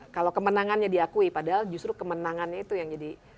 kalau kemenangannya diakui padahal justru kemenangannya itu yang jadi